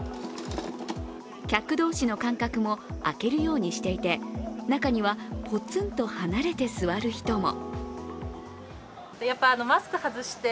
客同士の間隔も空けるようにしていて中にはポツンと離れて座る人も。